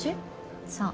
そう。